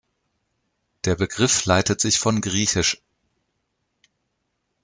Der Begriff leitet sich von griech.